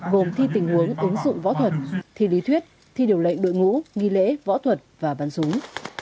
gồm thi tình huống ứng dụng võ thuật thi lý thuyết thi điều lệnh đội ngũ nghi lễ võ thuật và bắn súng